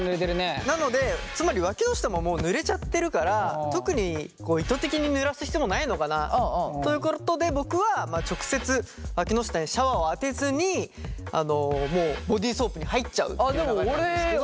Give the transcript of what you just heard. なのでつまりわきの下ももうぬれちゃってるから特に意図的にぬらす必要もないのかなということで僕はまあ直接わきの下にシャワーを当てずにもうボディーソープに入っちゃうっていう流れなんですけど。